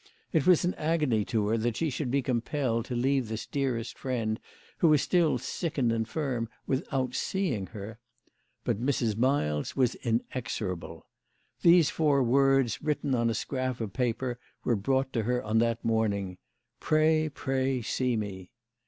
It was an agony to her that she should be compelled to leave this dearest friend, who was still sick and infirm, without seeing her. But Mrs. Miles was inexorable. These four words written on a scrap of paper were brought to her on that morning: "Pray, pray, see me